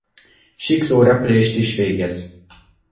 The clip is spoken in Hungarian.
Siklórepülést is végez.